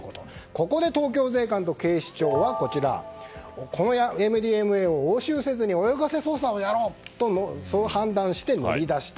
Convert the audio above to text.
ここで東京税関と警視庁はＭＤＭＡを押収せずに泳がせ捜査をやろうと判断して乗り出した。